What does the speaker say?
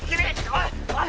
おいおい！